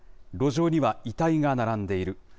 路上には遺体が並んでいる。